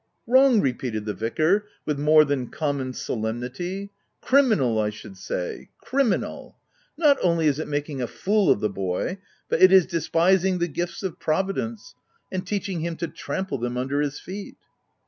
" Wrong !" repeated the vicar, with more than common solemnity — "criminal, I should say — criminal !— Not only is it making a fool of the boy, but it is despising the gifts of Pro vidence, and teaching him to trample them under his feet."